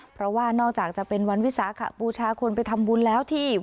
เพราะว่านอกจากจะเป็นวันวิสาขบูชาคนไปทำบุญแล้วที่